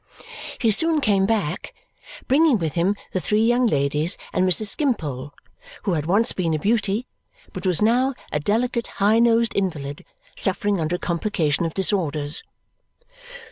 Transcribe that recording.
He soon came back, bringing with him the three young ladies and Mrs. Skimpole, who had once been a beauty but was now a delicate high nosed invalid suffering under a complication of disorders.